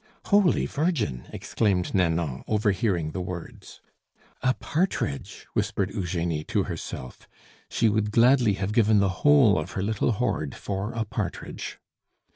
"Holy Virgin!" exclaimed Nanon, overhearing the words. "A partridge!" whispered Eugenie to herself; she would gladly have given the whole of her little hoard for a partridge.